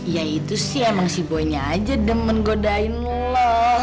ya itu sih emang si bonya aja demen godain lo